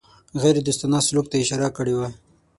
غیردوستانه سلوک ته اشاره کړې وه.